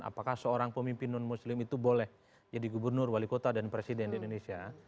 apakah seorang pemimpin non muslim itu boleh jadi gubernur wali kota dan presiden di indonesia